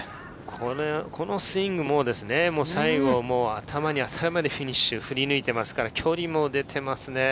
このスイングも最後、頭に当たるまで振り抜いていますから、距離も出てますね。